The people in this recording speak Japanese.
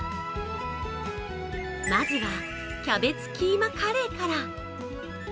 まずはキャベツキーマカレーから。